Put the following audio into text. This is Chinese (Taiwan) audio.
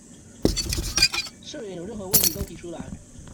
社員有任何問題都提出來